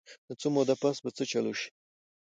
نو څۀ موده پس به څۀ چل اوشي -